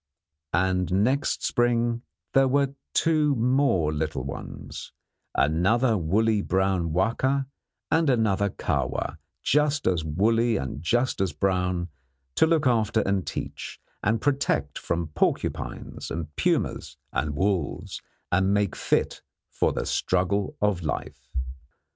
And next spring there were two more little ones another woolly brown Wahka, and another Kahwa, just as woolly and just as brown to look after and teach, and protect from porcupines and pumas and wolves, and make fit for the struggle of life.